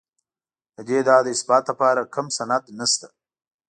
د دې ادعا د اثبات لپاره کوم سند نشته